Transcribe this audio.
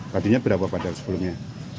tadinya berapa pandang sebelumnya